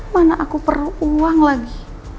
mana aku perlu uang lagi